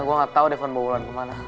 gue gak tau depon bawa mulan kemana